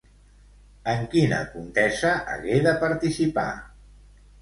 En quina contesa hagué de participar?